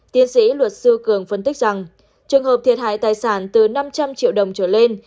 tiến sĩ luật sư cường phân tích rằng trường hợp thiệt hại tài sản từ năm trăm linh triệu đồng trở lên